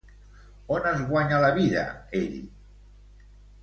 On es guanya la vida ell?